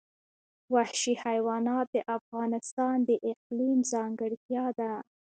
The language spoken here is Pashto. وحشي حیوانات د افغانستان د اقلیم ځانګړتیا ده.